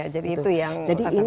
jadi itu yang terbelakang